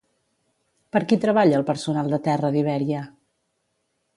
Per qui treballa el personal de terra d'Iberia?